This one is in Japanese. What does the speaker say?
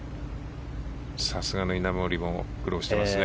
さすがの稲森も苦労していますね。